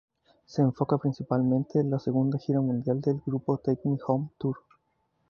Se enfoca principalmente en la segunda gira mundial del grupo Take Me Home Tour.